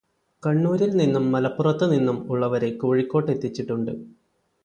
കണ്ണൂരില് നിന്നും മലപ്പുറത്തുനിന്നും ഉള്ളവരെ കോഴിക്കോട്ടെത്തിച്ചിട്ടുണ്ട്.